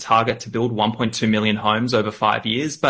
dengan kegembiraan kita melihat pemerintah berfokus pada hal itu